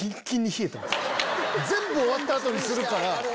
全部終わった後にするから。